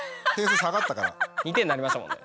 ２点になりましたもんね。